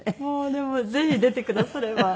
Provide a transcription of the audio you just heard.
でもぜひ出てくだされば。